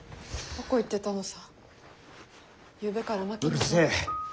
うるせえ！